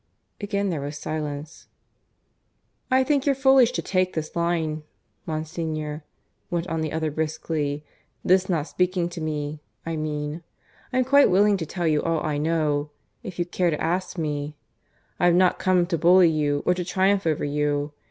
Again there was silence. "I think you're foolish to take this line, Monsignor," went on the other briskly "this not speaking to me, I mean. I'm quite willing to tell you all I know, if you care to ask me. I've not come to bully you or to triumph over you.